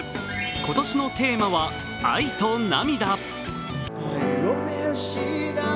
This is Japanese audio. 今年のテーマは「愛と涙」